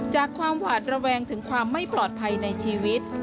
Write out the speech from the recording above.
จากความหวาดระแวงถึงความไม่ปลอดภัยในชีวิต